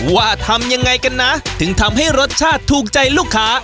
ว่าทำยังไงกันนะถึงทำให้รสชาติถูกใจลูกค้า